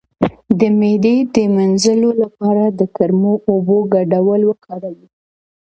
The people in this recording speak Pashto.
د معدې د مینځلو لپاره د ګرمو اوبو ګډول وکاروئ